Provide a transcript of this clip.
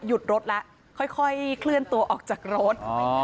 รถแล้วค่อยเคลื่อนตัวออกจากรถ